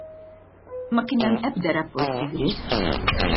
Ma kien hemm ebda rapport sigriet.